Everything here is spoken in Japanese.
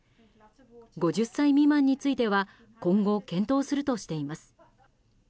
５０歳未満については今後、検討するとしています。